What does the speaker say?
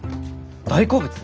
大好物？